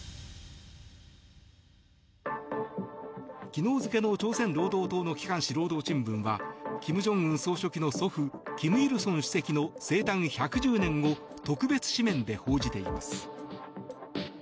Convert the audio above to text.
昨日付の朝鮮労働党の機関紙労働新聞は金正恩総書記の祖父金日成主席の生誕１１０年を特別紙面で報じています。